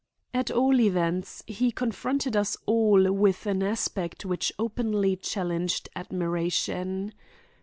At all events, he confronted us all with an aspect which openly challenged admiration.